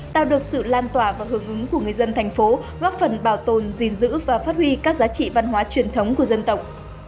tạo được sự lan tỏa và hướng ứng của người dân thành phố góp phần bảo tồn gìn giữ và phát huy các giá trị văn hóa truyền thống của dân tộc